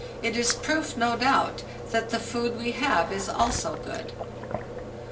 It is a proof, no doubt, that the food we have is also good.